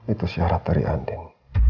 itu syarat dari andin